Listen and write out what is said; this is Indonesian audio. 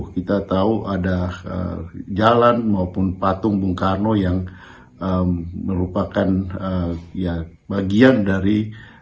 kita tahu ada jalan maupun patung bung karno yang merupakan bagian dari